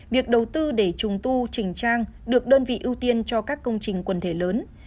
việc đầu tư để trùng tu trình trang được đơn vị ưu tiên cho các công trình quần thể lớn